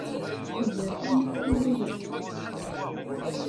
Iger tamawt i waya.